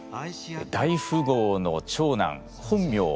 大富豪の長男本名